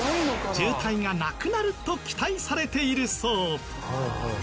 渋滞がなくなると期待されているそう。